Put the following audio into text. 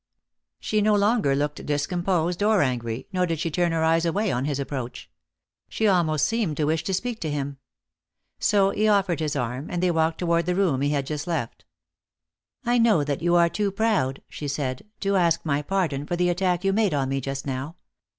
She no longer looked discomposed or angry, nor did she turn her eyes away on his approach. She almost seemed to wish to speak to him. So he offered his arm, and they walked toward the room he had just left " I know that you are too proud," she said, " to ask my pardon for the attack you made on me just now.